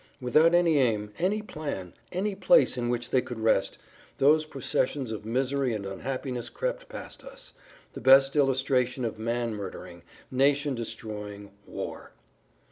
Without any aim, any plan, any place in which they could rest, those processions of misery and unhappiness crept past us—the best illustration of man murdering, nation destroying war!